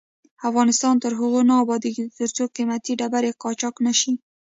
افغانستان تر هغو نه ابادیږي، ترڅو قیمتي ډبرې قاچاق نشي.